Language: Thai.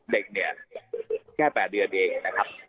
เด็กเนี่ยแค่๘เดือนเองนะครับ